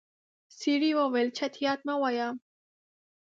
سړی وويل چټياټ مه وايه.